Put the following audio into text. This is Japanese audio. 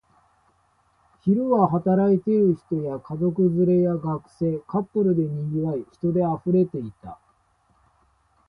昼は働いている人や、家族連れや学生、カップルで賑わい、人で溢れていた